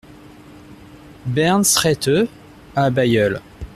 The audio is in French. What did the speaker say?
Bern Straete à Bailleul